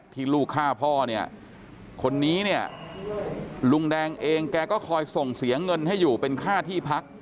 ลูกฆ่าพ่อเนี่ยคนนี้เนี่ยลุงแดงเองแกก็คอยส่งเสียเงินให้อยู่เป็นค่าที่พัก